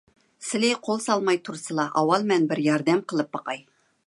سىلى قول سالماي تۇرسىلا، ئاۋۋال مەن بىر ياردەم قىلىپ باقاي.